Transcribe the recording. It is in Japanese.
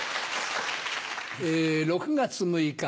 ６月６日